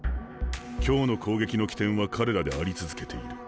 今日の攻撃の起点は彼らであり続けている。